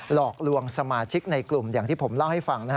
หลอกลวงสมาชิกในกลุ่มอย่างที่ผมเล่าให้ฟังนะฮะ